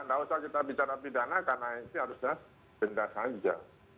tidak usah kita bicara pidana karena ini harusnya denda saja